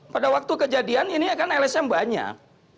pada waktu kejadian ini kan lsm banyak